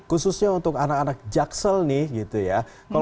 khususnya untuk anak anak jaksel nih gitu ya